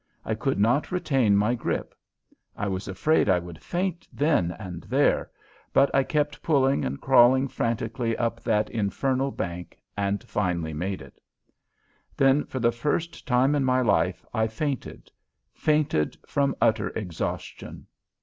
I could not retain my grip. I was afraid I would faint then and there, but I kept pulling and crawling frantically up that infernal bank, and finally made it. Then, for the first time in my life, I fainted fainted from utter exhaustion.